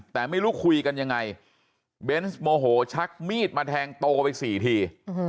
แต่ไม่รู้คุยกันยังไงเบนส์โมโหชักมีดมาแทงโตไปสี่ที